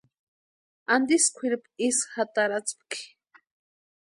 ¿Antisï kwʼiripu ísï jatarhaatspikʼi?